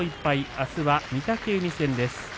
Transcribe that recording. あすは御嶽海戦です。